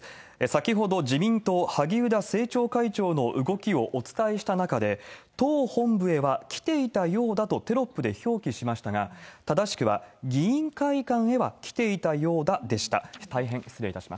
先ほど自民党、萩生田政調会長の動きをお伝えした中で、党本部へは来ていたようだとテロップで表記しましたが、正しくは、議員会館へは来ていたようだでした。